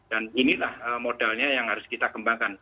dan inilah modalnya yang harus kita kembangkan